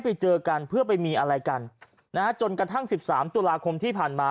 ไปเจอกันเพื่อไปมีอะไรกันนะฮะจนกระทั่งสิบสามตุลาคมที่ผ่านมา